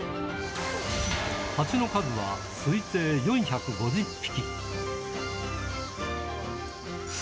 ハチの数は推定４５０匹。